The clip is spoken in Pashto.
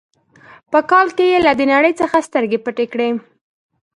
په کال کې یې له دې نړۍ څخه سترګې پټې کړې دي.